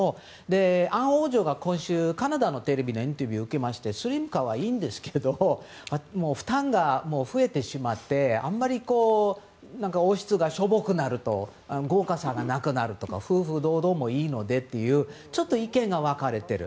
アン王女が今週カナダのテレビでインタビューを受けましてスリム化はいいんですけど負担が増えてしまってあまり、王室がしょぼくなると豪華さがなくなるとかちょっと意見が分かれている。